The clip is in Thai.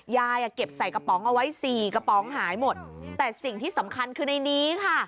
ยายอ่ะเก็บใส่กระป๋องเอาไว้สี่กระป๋องหายหมดแต่สิ่งที่สำคัญคือในนี้ค่ะ